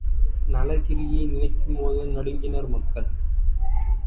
நளகிரியை நினைக்கும்போதே நடுங்கினர் மக்கள்.